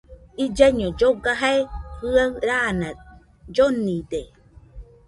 Illaiño lloga, jae jɨaɨ raana llonide